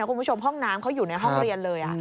คุณผู้ชมห้องน้ำเขาอยู่ในห้องเรียนเลย